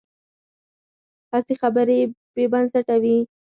هسې خبرې بې بنسټه وي.